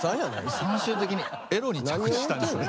最終的にエロに着地したんですね。